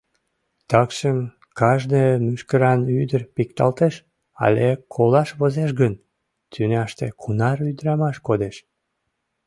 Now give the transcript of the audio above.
Такшым... кажне мӱшкыран ӱдыр пикталтеш але колаш возеш гын, тӱняште кунар ӱдырамаш кодеш?